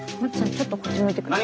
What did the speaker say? ちょっとこっち向いて下さい。